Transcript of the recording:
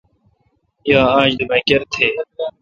یا آج دومکر تھے°۔